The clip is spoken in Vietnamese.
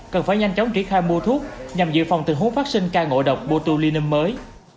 cần phải nhanh chóng triển khai mua thuốc nhằm giữ phòng từng hút phát sinh ca ngộ độc botulinum mới